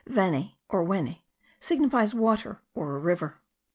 Veni, or weni, signifies water, or a river.